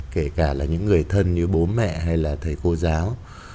kể cả là những người thân như bố mẹ hay là thầy cô giáo